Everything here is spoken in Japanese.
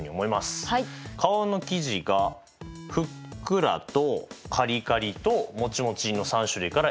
皮の生地がふっくらとカリカリともちもちの３種類から選べる。